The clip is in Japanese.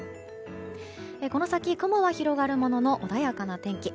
この先、雲は広がるものの穏やかな天気。